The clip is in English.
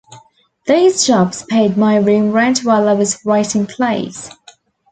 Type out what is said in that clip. These jobs paid my room rent while I was writing plays.